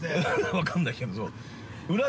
◆分かんないけど。